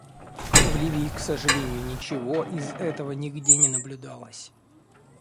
В Ливии, к сожалению, ничего из этого нигде не наблюдалось.